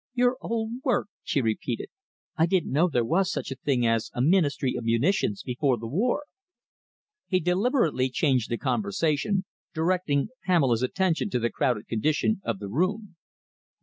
"Your old work," she repeated. "I didn't know there was such a thing as a Ministry of Munitions before the war." He deliberately changed the conversation, directing Pamela's attention to the crowded condition of the room.